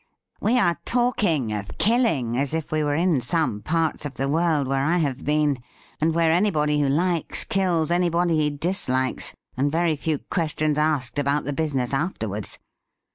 We are talking of killing as if we were in some parts of the world where I have been, and where anybody who likes kills anybody he dislikes, and very few questions asked about the business afterwards.